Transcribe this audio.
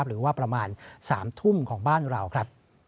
หรือว่าประมาณ๓ทุ่มของบ้านเราครับ